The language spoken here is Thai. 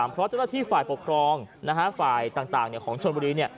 เพราะเจ้าหน้าที่ฝ่ายปกครองฝ่ายต่างของชนบุรี